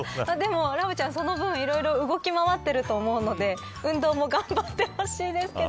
ラブちゃん、その分動き回っていると思うので運動も頑張ってほしいですけど。